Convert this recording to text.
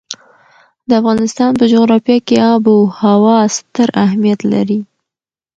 د افغانستان په جغرافیه کې آب وهوا ستر اهمیت لري.